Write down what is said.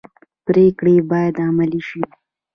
پریکړې باید عملي شي